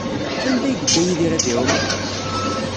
Sanda ay yedda Yidir ad iɛum?